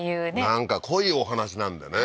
なんか濃いお話なんでね。